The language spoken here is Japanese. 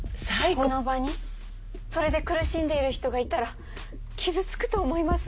この場にそれで苦しんでいる人がいたら傷つくと思います。